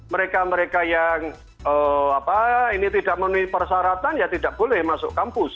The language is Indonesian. mereka mereka yang tidak menuhi persaratan ya tidak boleh masuk kampus